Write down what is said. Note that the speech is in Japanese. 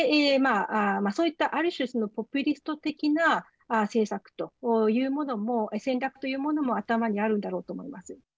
そういった、ある種ポピュリスト的な政策というものも戦略というものも頭にあるんだろうと思います。